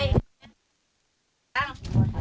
นาง